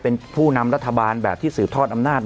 เป็นผู้นำรัฐบาลแบบที่สืบทอดอำนาจ